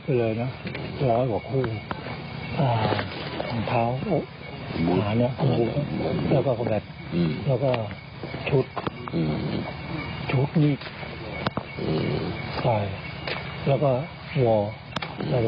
ใส่และก็หัวหัวตรงกลางขอบคุณ